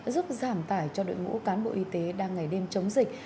giúp giảm tải cho đội ngũ cán bộ y tế đang ngày đêm chống dịch